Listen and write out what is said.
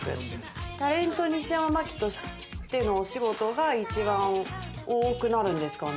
タレント・西山茉希としてのお仕事が一番多くなるんですかね。